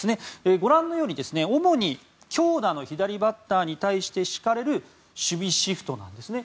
ご覧のように主に強打の左バッターに対して敷かれる守備シフトなんですね。